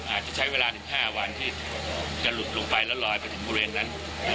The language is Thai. อาจจะใช้เวลา๑๕วันที่จะหลุดลงไปแล้วลอยไปถึงบริเวณนั้น